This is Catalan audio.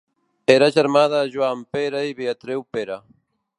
Era germà de Joan Pere i Beatriu Pere.